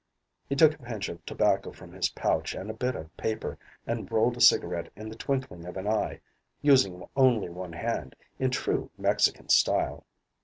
He took a pinch of tobacco from his pouch and a bit of paper and rolled a cigarette in the twinkling of an eye, using only one hand, in true Mexican style.